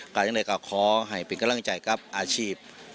การยังไงก็ขอให้เป็นกำลังใจกับอาชีพ